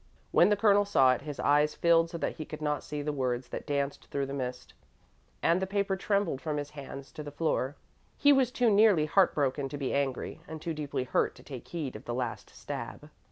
When the Colonel saw it, his eyes filled so that he could not see the words that danced through the mist, and the paper trembled from his hands to the floor. He was too nearly heartbroken to be angry, and too deeply hurt to take heed of the last stab.